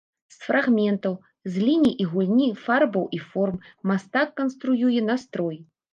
З фрагментаў, з ліній і гульні фарбаў і форм мастак канструюе настрой.